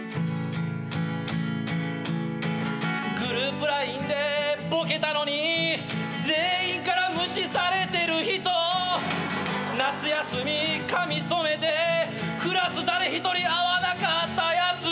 「グループＬＩＮＥでボケたのに全員から無視されてる人」「夏休み髪染めてクラス誰一人会わなかったやつ」